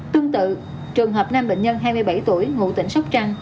tương tự trường hợp nam bệnh nhân hai mươi bảy tuổi ngụ tỉnh sóc trăng